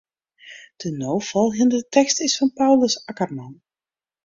De no folgjende tekst is fan Paulus Akkerman.